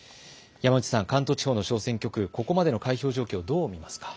山内さん、関東地方の小選挙区、ここまでの開票状況、どう見ますか。